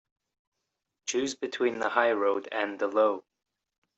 Choose between the high road and the low.